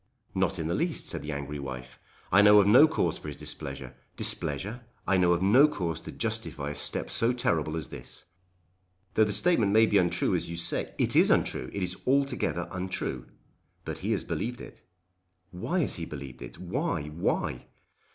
"Not in the least," said the angry wife. "I know of no cause for his displeasure. Displeasure! I know of no cause to justify a step so terrible as this." "Though the statement may be untrue as you say " "It is untrue. It is altogether untrue." "But he has believed it!" "Why has he believed it? Why; why?"